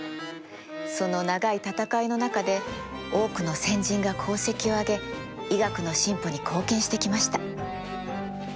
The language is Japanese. その長い闘いの中で多くの先人が功績をあげ医学の進歩に貢献してきました。